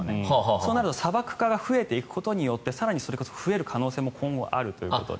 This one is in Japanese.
そうなると砂漠から増えていくことによって更にそれこそ、増える可能性も今後、あるということで。